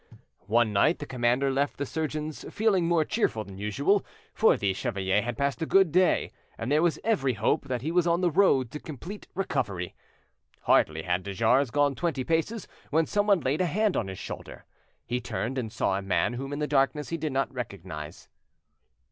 One night the commander left the surgeon's feeling more cheerful than usual, for the chevalier had passed a good day, and there was every hope that he was on the road to complete recovery. Hardly had de Jars gone twenty paces when someone laid a hand on his shoulder. He turned and saw a man whom, in the darkness, he did not recognise.